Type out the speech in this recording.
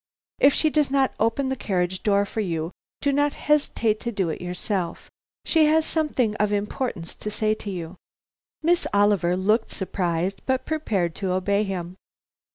If she does not open the carriage door for you, do not hesitate to do it yourself. She has something of importance to say to you." Miss Oliver looked surprised, but prepared to obey him.